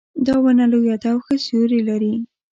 دا ونه لویه ده او ښه سیوري لري